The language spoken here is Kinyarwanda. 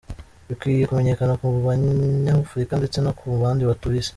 Bikwiye kumenyekana ku banyafurika ndetse no ku bandi batuye Isi.